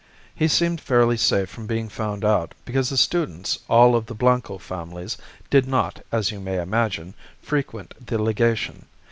He seemed fairly safe from being found out, because the students, all of the Blanco families, did not, as you may imagine, frequent the Legation.